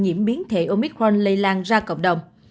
nhiễm biến thể omicron lây lan ra cộng đồng